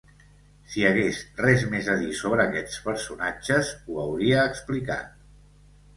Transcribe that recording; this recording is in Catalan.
Si hagués res més a dir sobre aquests personatges ho hauria explicat.